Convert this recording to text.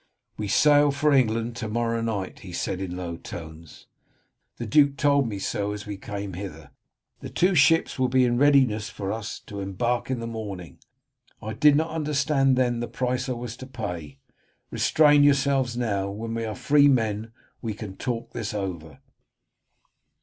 "We sail for England to morrow night," he said in low tones. "The duke told me so as we came hither. The two ships will be in readiness for us to embark in the morning. I did not understand then the price I was to pay. Restrain yourselves now; when we are free men we can talk this over."